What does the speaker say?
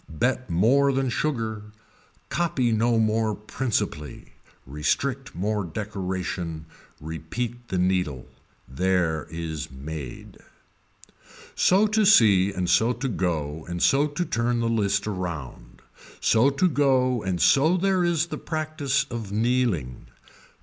Bet more than sugar, copy no more principally, restrict more decoration, repeat the needle. There is made. So to see and so to go and so to turn the list around, so to go and so there is the practice of Nileing.